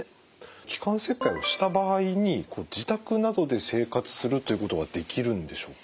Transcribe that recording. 気管切開をした場合に自宅などで生活するということはできるんでしょうか？